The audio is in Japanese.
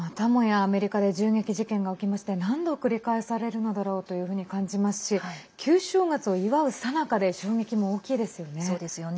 アメリカで銃撃事件が起きまして何度、繰り返されるのだろうというふうに感じますし旧正月を祝うさなかで衝撃も大きいですよね。